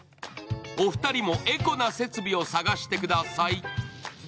お二人もエコな設備を探してください。